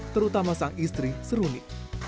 terutama sang istri seruni